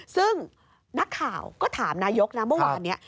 ซึ่งนักข่าวก็ถามนายกนะเมื่อวานนี้